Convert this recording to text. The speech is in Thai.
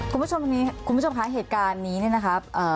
คุณผู้ชมค่ะเหตุการณ์นี้นะครับ